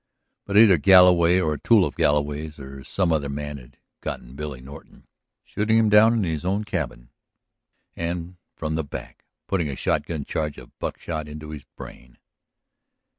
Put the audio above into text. But either Galloway or a tool of Galloway's or some other man had "gotten" Billy Norton, shooting him down in his own cabin and from the back, putting a shotgun charge of buckshot into his brain.